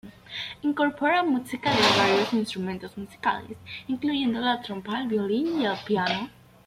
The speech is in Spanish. Incorpora música de varios instrumentos musicales, incluyendo la trompa, el violín y el piano.